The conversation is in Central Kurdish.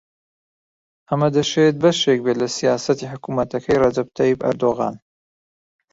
ئەمە دەشێت بەشێک بێت لە سیاسەتی حکوومەتەکەی ڕەجەب تەیب ئەردۆغان